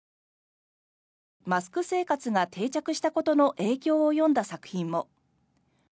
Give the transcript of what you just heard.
マスク生活が定着したことの影響を詠んだ作品も。